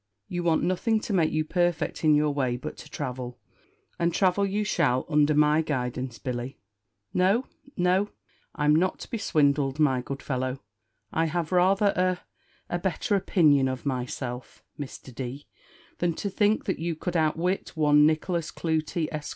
You want nothing to make you perfect in your way but to travel; and travel you shall under my guidance, Billy. No, no I'm not to be swindled, my good fellow. I have rather a a better opinion of myself, Mr. D., than to think that you could outwit one Nicholas Clutie, Esq.